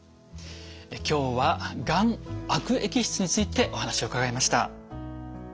今日はがん悪液質についてお話を伺いました。